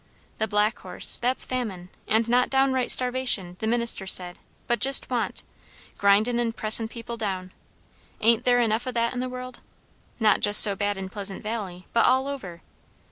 The black horse, that's famine; and not downright starvation, the minister said, but just want; grindin' and pressin' people down. Ain't there enough o' that in the world? not just so bad in Pleasant Valley, but all over.